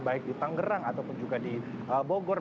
baik di tanggerang ataupun juga di bogor